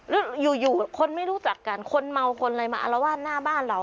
แล้วอยู่อยู่คนไม่รู้จักกันคนเมาคนอะไรมาอารวาสหน้าบ้านเรา